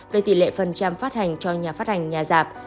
về tỷ lệ phần trăm phát hành cho nhà phát hành nhà giảm